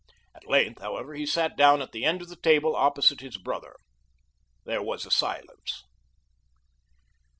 At length, however, he sat down at the end of the table, opposite his brother. There was a silence.